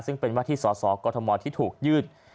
ซึ่งเป็นวาถีสอสอกทมที่ถูกยื่น